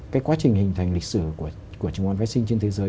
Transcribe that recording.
cái quá trình hình thành lịch sử của chứng khoán phái sinh trên thế giới